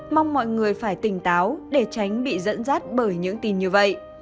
mong mọi người phải tỉnh táo để tránh bị dẫn dắt bởi những tin như vậy